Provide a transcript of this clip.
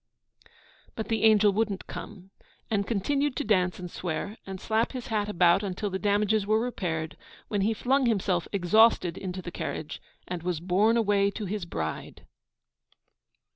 But the angel wouldn't come, and continued to dance and swear, and slap his hat about until the damages were repaired, when he flung himself, exhausted, into the carriage, and was borne away to his bride.